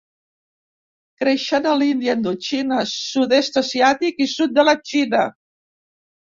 Creixen a l'Índia, Indochina, sud-est asiàtic i sud de la Xina.